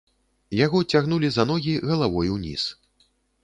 Яго цягнулі за ногі галавой уніз.